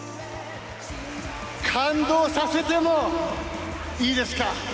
感動させてもいいですか。